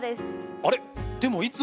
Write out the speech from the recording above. あれ？